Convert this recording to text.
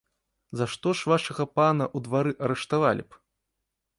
За што ж вашага пана ў двары арыштавалі б?